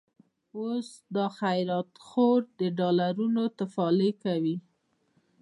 اوس دا خيرات خور، د ډالرونو تفالې کوي